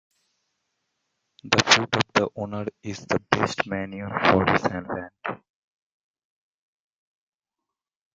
The foot of the owner is the best manure for his land.